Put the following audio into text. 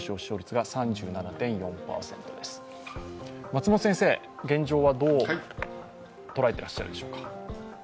松本先生、現状はどう捉えてらっしゃるでしょうか。